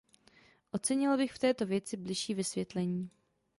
Ocenila bych v této věci bližší vysvětlení.